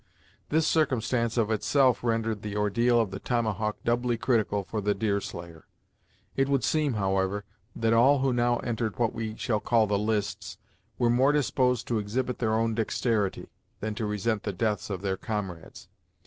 This circumstance of itself rendered the ordeal of the tomahawk doubly critical for the Deerslayer. It would seem, however, that all who now entered what we shall call the lists, were more disposed to exhibit their own dexterity, than to resent the deaths of their comrades.